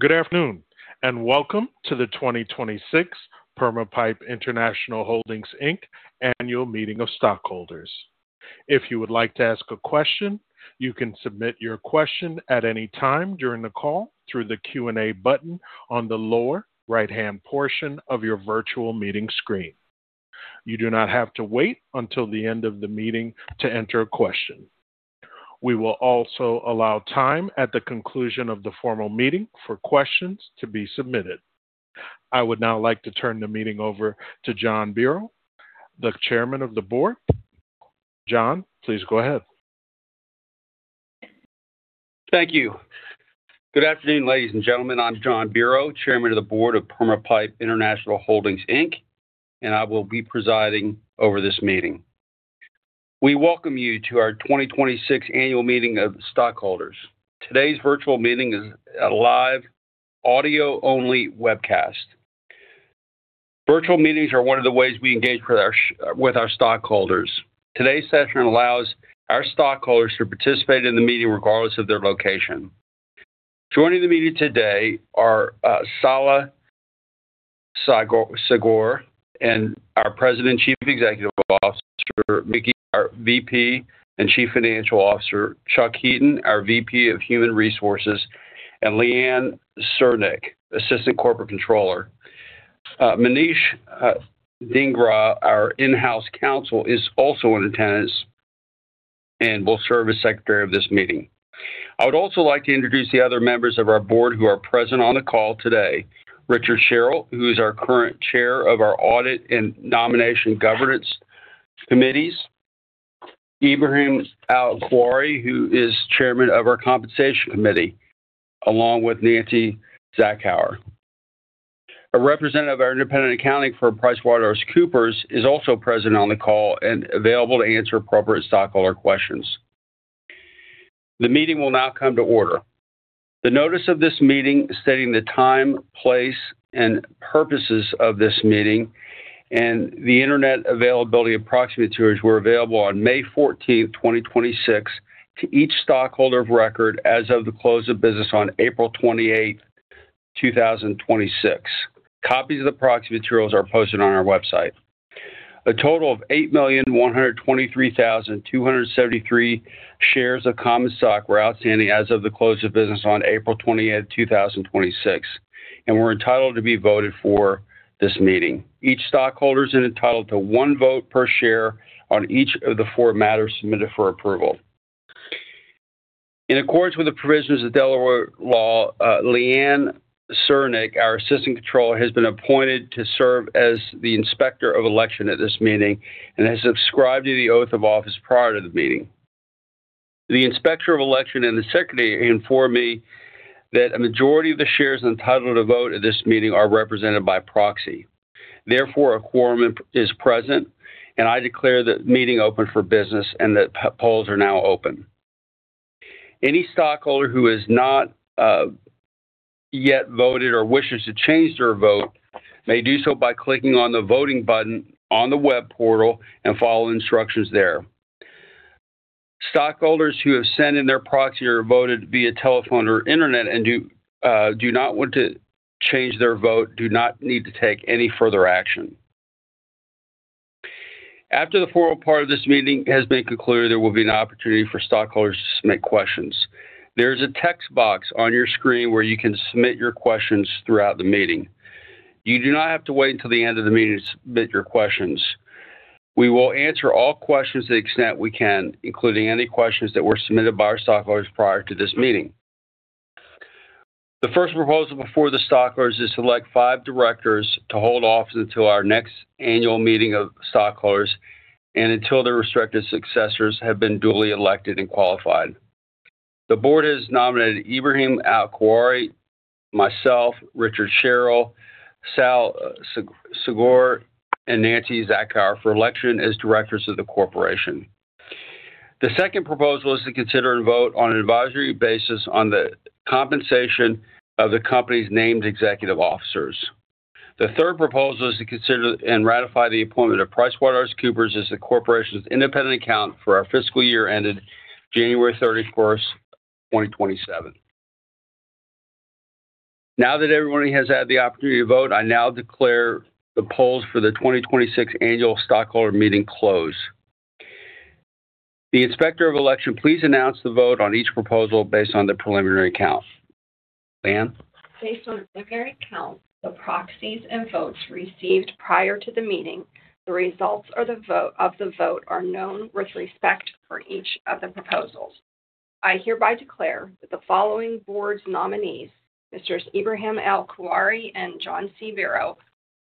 Good afternoon, and welcome to the 2026 Perma-Pipe International Holdings, Inc. Annual Meeting of Stockholders. If you would like to ask a question, you can submit your question at any time during the call through the Q&A button on the lower right-hand portion of your virtual meeting screen. You do not have to wait until the end of the meeting to enter a question. We will also allow time at the conclusion of the formal meeting for questions to be submitted. I would now like to turn the meeting over to Jon Biro, the Chairman of the Board. Jon, please go ahead. Thank you. Good afternoon, ladies and gentlemen. I'm Jon Biro, Chairman of the Board of Perma-Pipe International Holdings, Inc., and I will be presiding over this meeting. We welcome you to our 2026 Annual Meeting of Stockholders. Today's virtual meeting is a live audio-only webcast. Virtual meetings are one of the ways we engage with our stockholders. Today's session allows our stockholders to participate in the meeting regardless of their location. Joining the meeting today are Saleh Sagr, our President Chief Executive Officer, Mickey, our VP and Chief Financial Officer, Chuck Heaton, our VP of Human Resources, and Leanne Cernik, Assistant Corporate Controller. Manish Dhingra, our in-house counsel, is also in attendance and will serve as Secretary of this meeting. I would also like to introduce the other members of our board who are present on the call today. Richard Sherrill, who is our current Chair of our Audit Committee and Nominating and Corporate Governance Committee. Ibrahim Al Kuwari, who is Chairman of our Compensation Committee, along with Nancy Zakhour. A representative of our independent accounting firm, PricewaterhouseCoopers, is also present on the call and available to answer appropriate stockholder questions. The meeting will now come to order. The notice of this meeting stating the time, place, and purposes of this meeting and the internet availability of proxy materials were available on May 14, 2026, to each stockholder of record as of the close of business on April 28, 2026. Copies of the proxy materials are posted on our website. A total of 8,123,273 shares of common stock were outstanding as of the close of business on April 20, 2026, and were entitled to be voted for this meeting. Each stockholder is entitled to one vote per share on each of the four matters submitted for approval. In accordance with the provisions of Delaware law, Leanne Cernik, our Assistant Controller, has been appointed to serve as the Inspector of Election at this meeting and has subscribed to the oath of office prior to the meeting. The Inspector of Election and the Secretary informed me that a majority of the shares entitled to vote at this meeting are represented by proxy. Therefore, a quorum is present, and I declare the meeting open for business and that polls are now open. Any stockholder who has not yet voted or wishes to change their vote may do so by clicking on the voting button on the web portal and follow the instructions there. Stockholders who have sent in their proxy or voted via telephone or internet and do not want to change their vote do not need to take any further action. After the formal part of this meeting has been concluded, there will be an opportunity for stockholders to submit questions. There is a text box on your screen where you can submit your questions throughout the meeting. You do not have to wait until the end of the meeting to submit your questions. We will answer all questions to the extent we can, including any questions that were submitted by our stockholders prior to this meeting. The first proposal before the stockholders is to elect five directors to hold office until our next annual meeting of stockholders and until their respective successors have been duly elected and qualified. The board has nominated Ibrahim Al Kuwari, myself, Richard Sherrill, Sal Sagr, and Nancy Zakhour for election as directors of the corporation. The second proposal is to consider and vote on an advisory basis on the compensation of the company's named executive officers. The third proposal is to consider and ratify the appointment of PricewaterhouseCoopers as the corporation's independent account for our fiscal year ended January 31st, 2027. Now that everybody has had the opportunity to vote, I now declare the polls for the 2026 Annual Stockholder Meeting closed. The Inspector of Election, please announce the vote on each proposal based on the preliminary count. Leanne? Based on the preliminary count of proxies and votes received prior to the meeting, the results of the vote are known with respect for each of the proposals. I hereby declare that the following board's nominees, Messrs Ibrahim Al Kuwari and Jon C. Biro,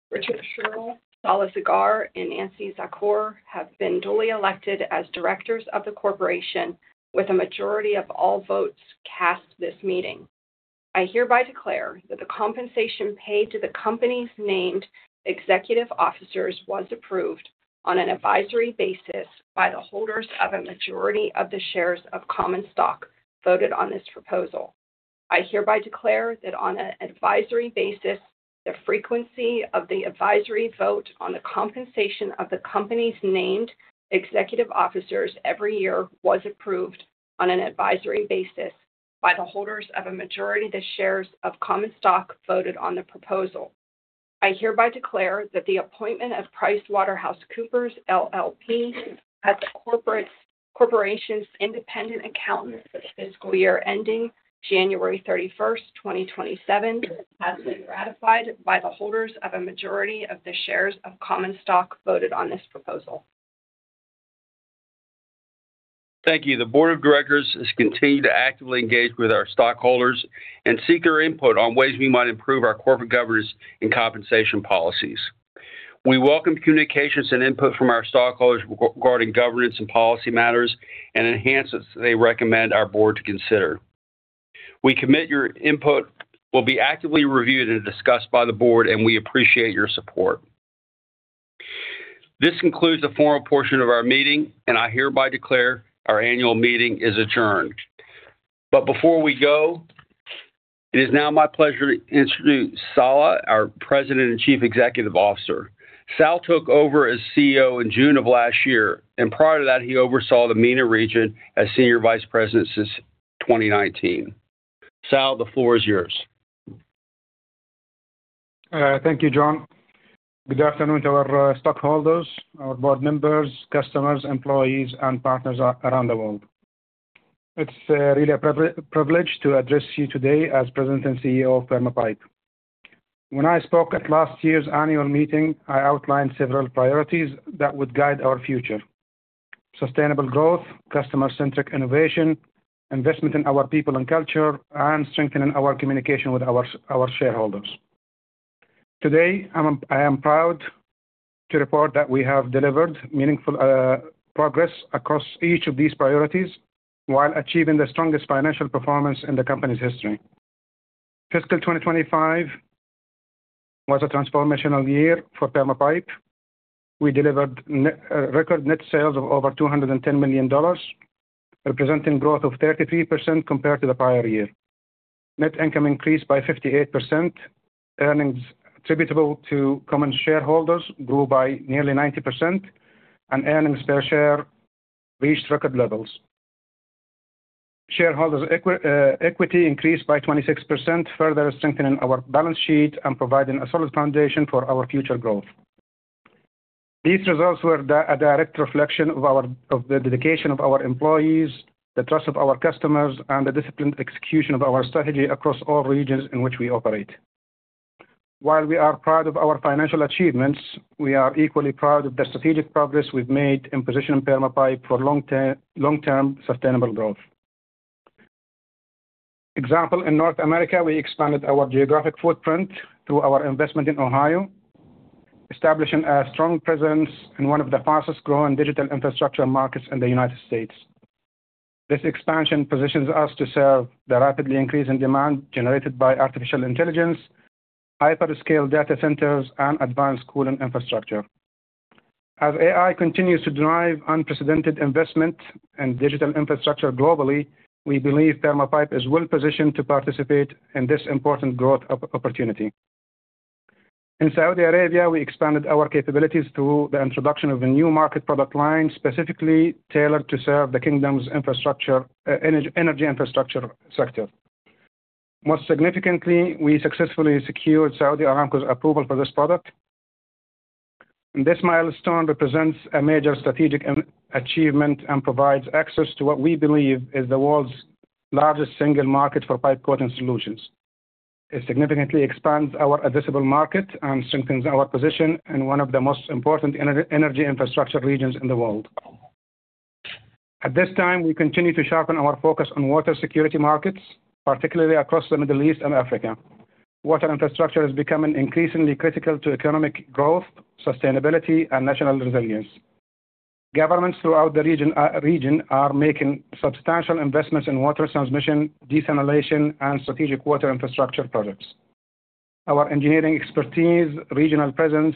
Richard Sherrill, Sal Sagr, and Nancy Zakhour, have been duly elected as directors of the corporation with a majority of all votes cast this meeting. I hereby declare that the compensation paid to the company's named executive officers was approved on an advisory basis by the holders of a majority of the shares of common stock voted on this proposal. I hereby declare that on an advisory basis, the frequency of the advisory vote on the compensation of the company's named executive officers every year was approved on an advisory basis by the holders of a majority of the shares of common stock voted on the proposal. I hereby declare that the appointment of PricewaterhouseCoopers LLP as the corporation's independent accountant for the fiscal year ending January 31st, 2027, has been ratified by the holders of a majority of the shares of common stock voted on this proposal. Thank you. The board of directors has continued to actively engage with our stockholders and seek their input on ways we might improve our corporate governance and compensation policies. We welcome communications and input from our stockholders regarding governance and policy matters and enhancements they recommend our board to consider. We commit your input will be actively reviewed and discussed by the board, and we appreciate your support. This concludes the formal portion of our meeting. I hereby declare our annual meeting is adjourned. Before we go, it is now my pleasure to introduce Saleh, our President and Chief Executive Officer. Sal took over as CEO in June of last year. Prior to that, he oversaw the MENA region as Senior Vice President since 2019. Sal, the floor is yours. Thank you, Jon. Good afternoon to our stockholders, our board members, customers, employees, and partners around the world. It's really a privilege to address you today as President and CEO of Perma-Pipe. When I spoke at last year's annual meeting, I outlined several priorities that would guide our future. Sustainable growth, customer-centric innovation, investment in our people and culture, and strengthening our communication with our shareholders. Today, I am proud to report that we have delivered meaningful progress across each of these priorities while achieving the strongest financial performance in the company's history. FY 2025 was a transformational year for Perma-Pipe. We delivered record net sales of over $210 million, representing growth of 33% compared to the prior year. Net income increased by 58%. Earnings attributable to common shareholders grew by nearly 90%. Earnings per share reached record levels. Shareholders' equity increased by 26%, further strengthening our balance sheet and providing a solid foundation for our future growth. These results were a direct reflection of the dedication of our employees, the trust of our customers, and the disciplined execution of our strategy across all regions in which we operate. While we are proud of our financial achievements, we are equally proud of the strategic progress we've made in positioning Perma-Pipe for long-term sustainable growth. Example, in North America, we expanded our geographic footprint through our investment in Ohio, establishing a strong presence in one of the fastest-growing digital infrastructure markets in the U.S. This expansion positions us to serve the rapidly increasing demand generated by artificial intelligence, hyperscale data centers, and advanced cooling infrastructure. As AI continues to drive unprecedented investment in digital infrastructure globally, we believe Perma-Pipe is well positioned to participate in this important growth opportunity. In Saudi Arabia, we expanded our capabilities through the introduction of a new market product line, specifically tailored to serve the kingdom's energy infrastructure sector. Most significantly, we successfully secured Saudi Aramco approval for this product. This milestone represents a major strategic achievement and provides access to what we believe is the world's largest single market for pipe coating solutions. It significantly expands our addressable market and strengthens our position in one of the most important energy infrastructure regions in the world. At this time, we continue to sharpen our focus on water security markets, particularly across the Middle East and Africa. Water infrastructure is becoming increasingly critical to economic growth, sustainability, and national resilience. Governments throughout the region are making substantial investments in water transmission, desalination, and strategic water infrastructure products. Our engineering expertise, regional presence,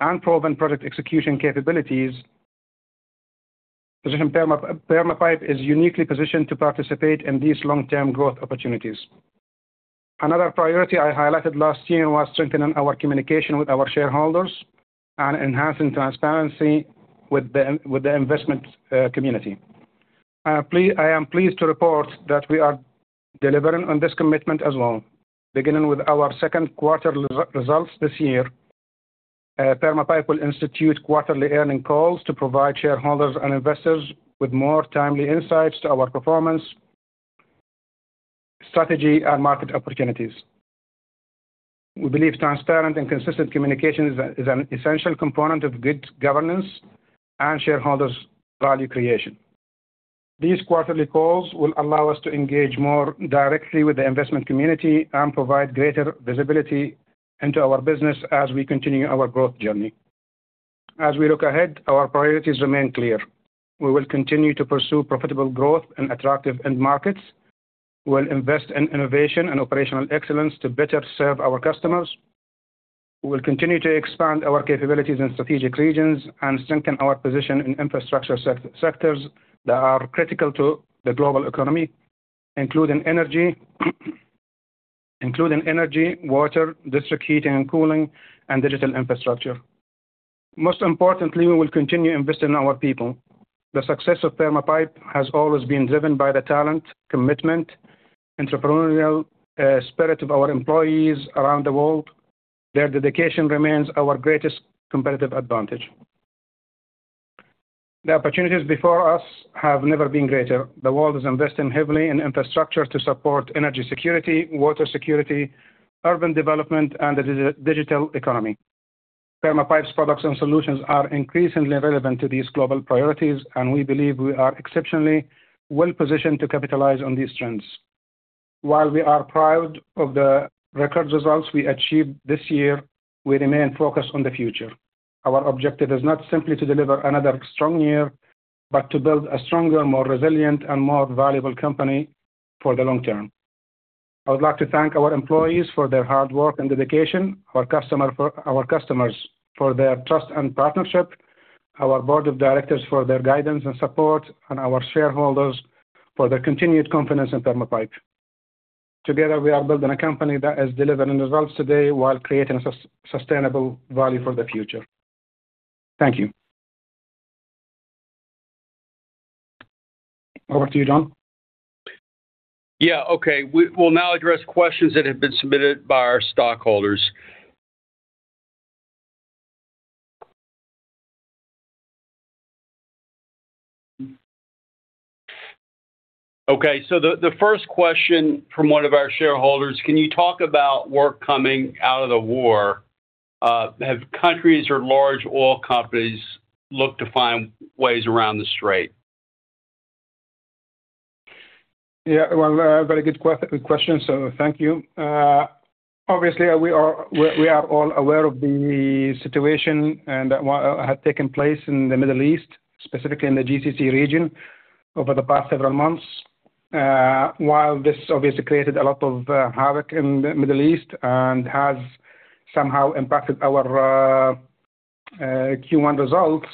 and proven product execution capabilities, position Perma-Pipe to participate in these long-term growth opportunities. Another priority I highlighted last year was strengthening our communication with our shareholders and enhancing transparency with the investment community. I am pleased to report that we are delivering on this commitment as well. Beginning with our second quarter results this year, Perma-Pipe will institute quarterly earnings calls to provide shareholders and investors with more timely insights to our performance, strategy, and market opportunities. We believe transparent and consistent communication is an essential component of good governance and shareholders' value creation. These quarterly calls will allow us to engage more directly with the investment community and provide greater visibility into our business as we continue our growth journey. As we look ahead, our priorities remain clear. We will continue to pursue profitable growth in attractive end markets. We'll invest in innovation and operational excellence to better serve our customers. We'll continue to expand our capabilities in strategic regions and strengthen our position in infrastructure sectors that are critical to the global economy, including energy, water, district heating and cooling, and digital infrastructure. Most importantly, we will continue investing in our people. The success of Perma-Pipe has always been driven by the talent, commitment, entrepreneurial spirit of our employees around the world. Their dedication remains our greatest competitive advantage. The opportunities before us have never been greater. The world is investing heavily in infrastructure to support energy security, water security, urban development, and the digital economy. Perma-Pipe's products and solutions are increasingly relevant to these global priorities, and we believe we are exceptionally well-positioned to capitalize on these trends. While we are proud of the record results we achieved this year, we remain focused on the future. Our objective is not simply to deliver another strong year, but to build a stronger, more resilient, and more valuable company for the long term. I would like to thank our employees for their hard work and dedication, our customers for their trust and partnership, our Board of Directors for their guidance and support, and our shareholders for their continued confidence in Perma-Pipe. Together, we are building a company that is delivering results today while creating sustainable value for the future. Thank you. Over to you, Jon. Yeah. Okay. We will now address questions that have been submitted by our stockholders. Okay. The first question from one of our shareholders, can you talk about work coming out of the war? Have countries or large oil companies looked to find ways around the strait? Well, very good question. Thank you. Obviously, we are all aware of the situation that had taken place in the Middle East, specifically in the GCC region, over the past several months. While this obviously created a lot of havoc in the Middle East and has somehow impacted our Q1 results,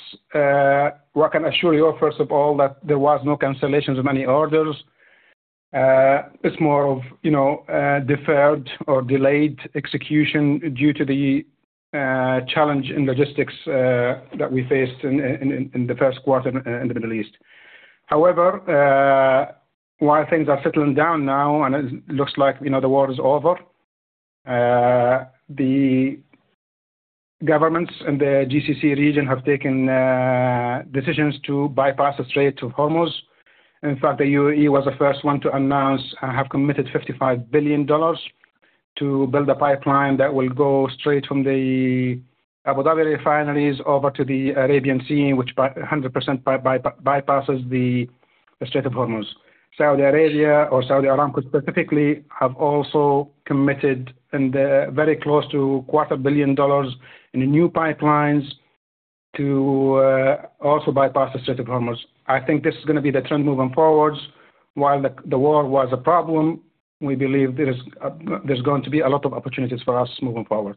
what I can assure you, first of all, that there was no cancellations of any orders. It is more of deferred or delayed execution due to the challenge in logistics that we faced in the first quarter in the Middle East. However, while things are settling down now, and it looks like the war is over, the governments in the GCC region have taken decisions to bypass the Strait of Hormuz. In fact, the UAE was the first one to announce and have committed $55 billion to build a pipeline that will go straight from the Abu Dhabi refineries over to the Arabian Sea, which 100% bypasses the Strait of Hormuz. Saudi Arabia, or Saudi Aramco specifically, have also committed, and they are very close to quarter billion dollars in new pipelines to also bypass the Strait of Hormuz. I think this is going to be the trend moving forward. While the war was a problem, we believe there is going to be a lot of opportunities for us moving forward.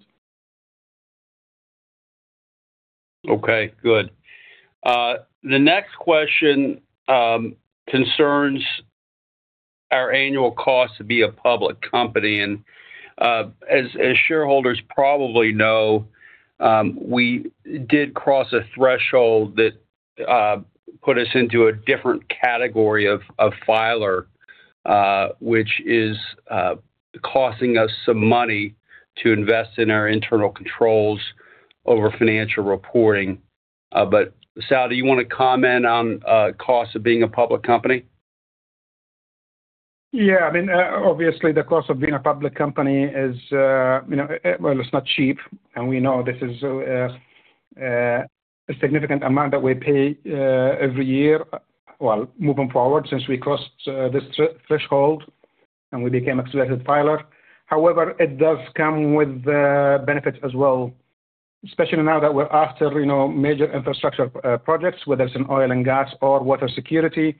Okay, good. The next question concerns our annual cost to be a public company. As shareholders probably know, we did cross a threshold that put us into a different category of filer, which is costing us some money to invest in our internal controls over financial reporting. Saleh, do you want to comment on cost of being a public company? Obviously, the cost of being a public company, well, it is not cheap. We know this is a significant amount that we pay every year. Well, moving forward, since we crossed this threshold and we became a registered filer. However, it does come with benefits as well, especially now that we are after major infrastructure projects, whether it is in oil and gas or water security.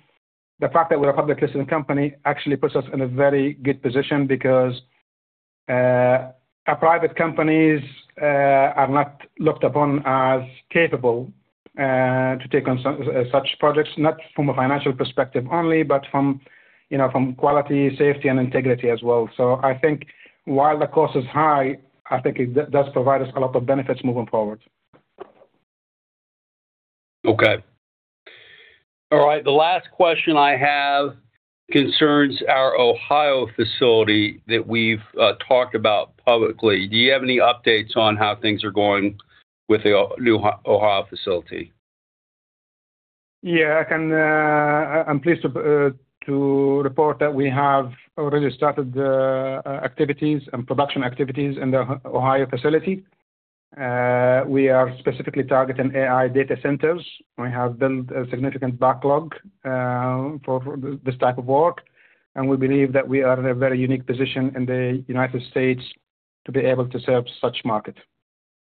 The fact that we are a publicly listed company actually puts us in a very good position because private companies are not looked upon as capable to take on such projects. Not from a financial perspective only, but from quality, safety, and integrity as well. I think while the cost is high, I think it does provide us a lot of benefits moving forward. Okay. All right. The last question I have concerns our Ohio facility that we've talked about publicly. Do you have any updates on how things are going with the new Ohio facility? Yeah. I'm pleased to report that we have already started activities and production activities in the Ohio facility. We are specifically targeting AI data centers. We have built a significant backlog for this type of work, and we believe that we are in a very unique position in the United States to be able to serve such market.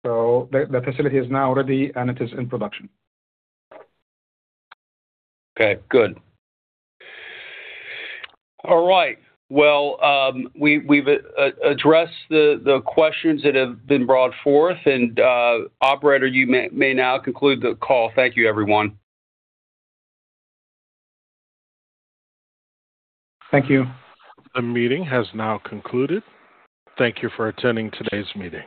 The facility is now ready, and it is in production. Okay, good. All right. Well, we've addressed the questions that have been brought forth. Operator, you may now conclude the call. Thank you, everyone. Thank you. The meeting has now concluded. Thank you for attending today's meeting.